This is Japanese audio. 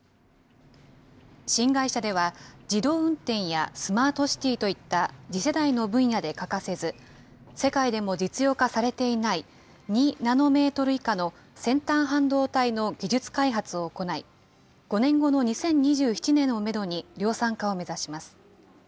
新会社では、自動運転やスマートシティーといった次世代の分野で欠かせず、世界でも実用化されていない２ナノメートル以下の先端半導体の技術開発を行い、５年後の２０２７年をメドに量産化を目指します。